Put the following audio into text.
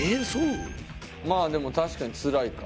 まあでも確かにつらいか。